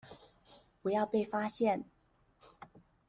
不要被發現